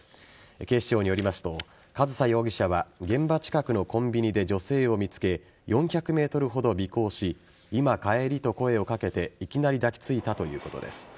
警視庁によりますと上総容疑者は現場近くのコンビニで女性を見つけ４００ｍほど尾行し今、帰り？と声をかけていきなり抱きついたということです。